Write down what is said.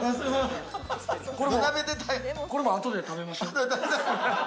これも後で食べましょう。